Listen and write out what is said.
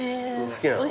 好きなの？